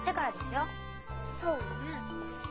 そうよね。